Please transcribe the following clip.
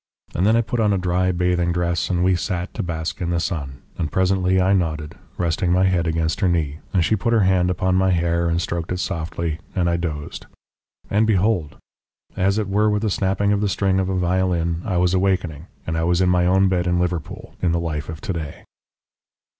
And then I put on a dry bathing dress, and we sat to bask in the sun, and presently I nodded, resting my head against her knee, and she put her hand upon my hair and stroked it softly and I dozed. And behold! as it were with the snapping of the string of a violin, I was awakening, and I was in my own bed in Liverpool, in the life of to day.